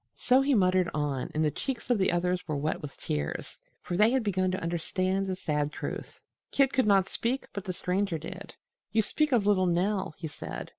So he muttered on, and the cheeks of the others were wet with tears, for they had begun to understand the sad truth. Kit could not speak, but the Stranger did: "You speak of little Nell," he said.